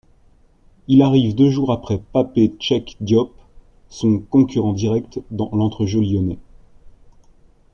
Il arrive deux jours après Pape Cheikh Diop, son concurrent direct dans l'entrejeu lyonnais.